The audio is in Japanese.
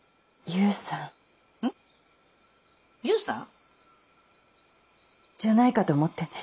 勇さん？じゃないかと思ってね。